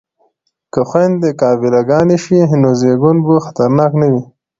که خویندې قابله ګانې شي نو زیږون به خطرناک نه وي.